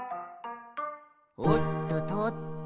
「おっととっと」